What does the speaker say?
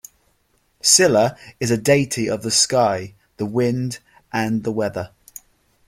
Silla is a deity of the sky, the wind, and the weather.